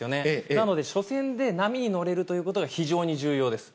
なので、初戦で波に乗れるということが非常に重要です。